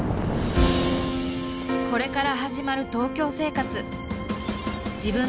これから始まる東京生活。